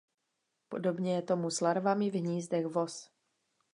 Podobně je tomu s larvami v hnízdech vos.